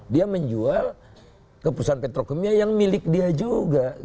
dia menjual ke perusahaan petrokimia yang milik dia juga